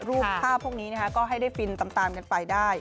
รูปภาพพวกนี้ก็ให้ได้ฟินตามกันไปได้